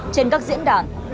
trên các diễn đàn